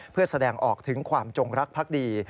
เพื่อแสดงออกถึงความจงรักภักดี